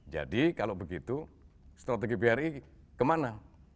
jadi kalau begitu strategi bri kemana